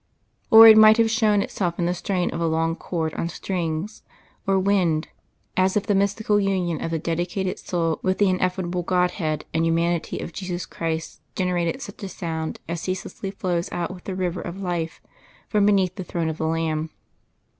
Or it might have shown itself in the strain of a long chord on strings or wind, as if the mystical union of the dedicated soul with the ineffable Godhead and Humanity of Jesus Christ generated such a sound as ceaselessly flows out with the river of life from beneath the Throne of the Lamb.